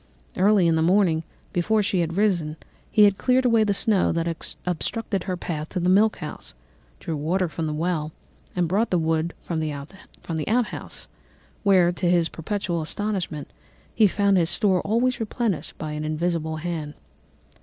Early in the morning, before she had risen, he cleared away the snow that obstructed her path to the milk house, drew water from the well, and brought the wood from the outhouse, where, to his perpetual astonishment, he found his store always replenished by an invisible hand.